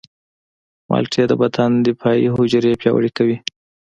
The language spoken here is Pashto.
مالټې د بدن دفاعي حجرې پیاوړې کوي.